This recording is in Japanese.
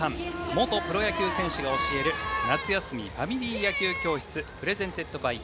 元プロ野球選手が教える夏休みファミリー野球教室ｐｒｅｓｅｎｔｅｄｂｙ